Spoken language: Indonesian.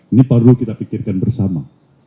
ini perlu kita pikirkan bersama